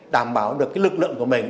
đảm bảo được cái lực lượng của mình